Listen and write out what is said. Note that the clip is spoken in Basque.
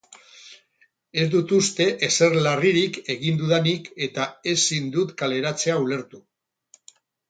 Ez dut uste ezer larririk egin dudanik eta ezin dut kaleratzea ulertu.